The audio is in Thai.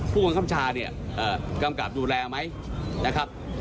ผู้วงคำชาเนี่ยกรรมกราบดูแลมั้ยนะครับ